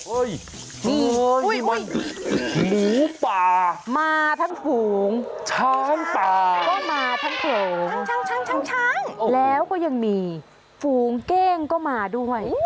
โอ้ยมันหมูป่าช้างป่าทั้งโผงทั้งช้างแล้วก็ยังมีฟูงเก้งก็มาด้วย